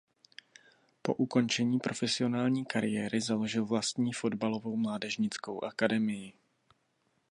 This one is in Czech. Po ukončení profesionální kariéry založil vlastní fotbalovou mládežnickou akademii.